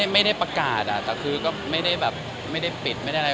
ไม่ได้ประกาศแต่คือก็ไม่ได้แบบไม่ได้ปิดไม่ได้อะไร